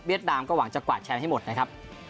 นามก็หวังจะกวาดแชมป์ให้หมดนะครับ